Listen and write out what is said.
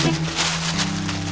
dede piring ya mak